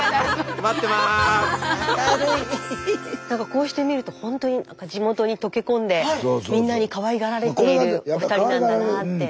こうして見るとほんとに地元に溶け込んでみんなにかわいがられているお二人なんだなあって。